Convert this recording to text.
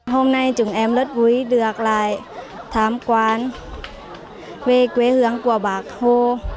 hôm nay chúng em rất vui được lại tham quan về quê hương của bác hồ